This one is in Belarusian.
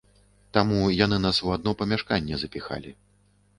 Таму яны нас у адно памяшканне запіхалі.